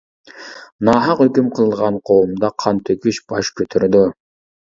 ناھەق ھۆكۈم قىلىدىغان قوۋمدا قان تۆكۈش باش كۆتۈرىدۇ.